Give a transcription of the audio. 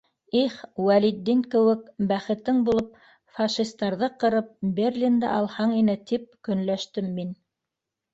«Их, Вәлетдин кеүек, бәхетең булып, фашистарҙы ҡырып, Берлинды алһаң ине», - тип көнләштем мин.